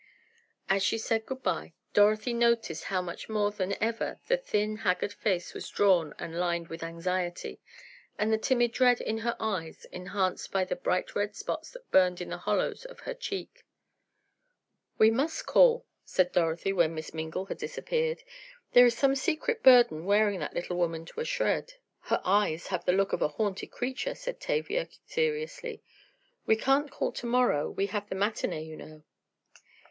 As she said good bye, Dorothy noticed how much more than ever the thin, haggard face was drawn and lined with anxiety, and the timid dread in her eyes enhanced by the bright red spots that burned in the hollows of her cheeks. "We must call," said Dorothy, when Miss Mingle had disappeared. "There is some secret burden wearing that little woman to a shred." "Her eyes have the look of a haunted creature," said Tavia, seriously. "We can't call to morrow; we have the matinee, you know."